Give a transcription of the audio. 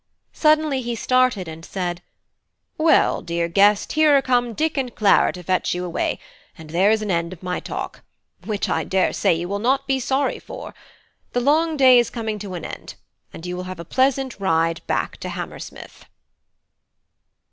Suddenly he started, and said: "Well, dear guest, here are come Dick and Clara to fetch you away, and there is an end of my talk; which I daresay you will not be sorry for; the long day is coming to an end, and you will have a pleasant ride back to Hammersmith."